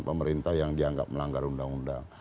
pemerintah yang dianggap melanggar undang undang